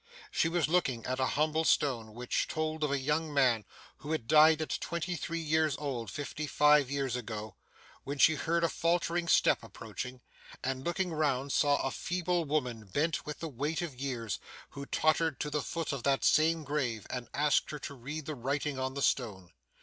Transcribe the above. She was looking at a humble stone which told of a young man who had died at twenty three years old, fifty five years ago, when she heard a faltering step approaching, and looking round saw a feeble woman bent with the weight of years, who tottered to the foot of that same grave and asked her to read the writing on the stone.